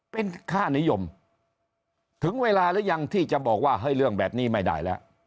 เป็นค่านิยมถึงเวลาหรือยังที่จะบอกว่าให้เรื่องแบบนี้ไม่ได้แล้ว